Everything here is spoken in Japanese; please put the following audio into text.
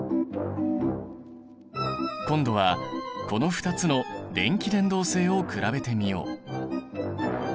今度はこの２つの電気伝導性を比べてみよう。